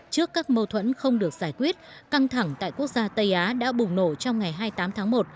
trước các mâu thuẫn không được giải quyết căng thẳng tại quốc gia tây á đã bùng nổ trong ngày hai mươi tám tháng một